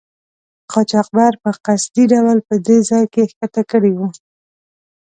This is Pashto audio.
قاچاقبر په قصدي ډول په دې ځای کې ښکته کړي وو.